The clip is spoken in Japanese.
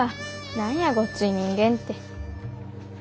何やごっつい人間って。